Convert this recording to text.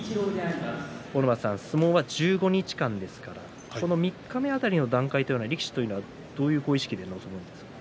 阿武松さん、相撲は１５日間ですからこの三日目辺りの段階というのは力士はどういう意識で臨んでいるんですか？